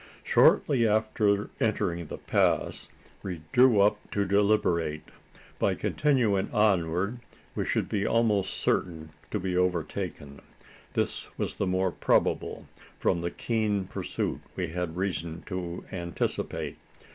Shortly after entering the pass, we drew up to deliberate. By continuing onward, we should be almost certain to be overtaken. This was the more probable, from the keen pursuit we had reason to anticipate.